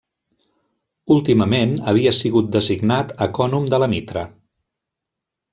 Últimament havia sigut designat ecònom de la mitra.